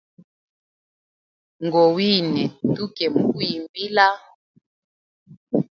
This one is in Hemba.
Ngowine tuke muku yimbila.